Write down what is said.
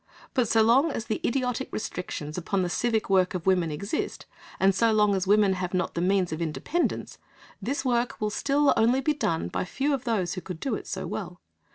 But so long as the idiotic restrictions upon the civic work of women exist, and so long as women have not the means of independence, this work will still only be done by few of those who could do it so well.